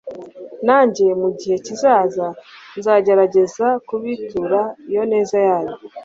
nanjye mu gihe kizaza nzagerageza kubitura iyo neza yanyu